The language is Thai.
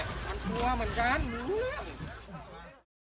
กลับมาเมื่อเวลาเมื่อเวลา